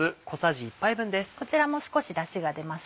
こちらも少しだしが出ます